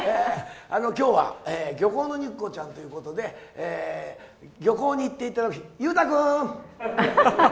きょうは漁港の肉子ちゃんということで、漁港に行っていただく日、裕太君。